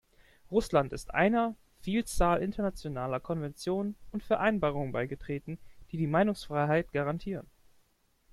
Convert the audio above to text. Russland ist einer Vielzahl internationaler Konventionen und Vereinbarungen beigetreten, die die Meinungsfreiheit garantieren.